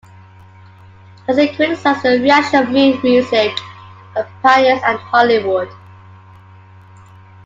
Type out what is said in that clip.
Lessig criticizes the reaction of music companies and Hollywood.